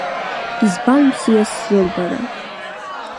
Избан бзиа сзылбара?